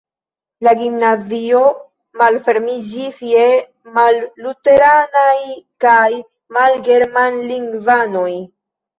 La gimnazio malfermiĝis je malluteranaj kaj malgermanlingvanoj.